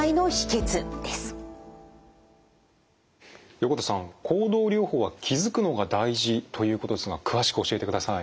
横手さん行動療法は気づくのが大事ということですが詳しく教えてください。